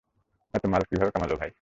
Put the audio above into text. এত মাল কীভাবে কামালো, ভাই?